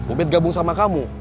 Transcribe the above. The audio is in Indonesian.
ubed gabung sama kamu